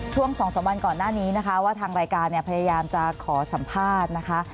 ช่วง๒๓วันก่อนหน้านี้นะคะว่าทางรายการเนี่ยพยายามจะขอสัมภาษณ์นะคะ